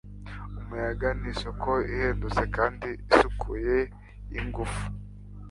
Umuyaga ni isoko ihendutse kandi isukuye yingufu.